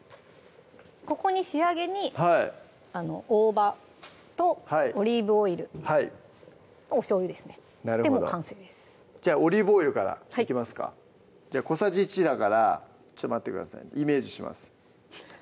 ここに仕上げに大葉とオリーブオイルおしょうゆですねでもう完成ですじゃあオリーブオイルからいきますかじゃあ小さじ１だからちょっと待ってくださいねイメージします